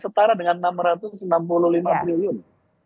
setara dengan rp enam ratus enam puluh lima triliun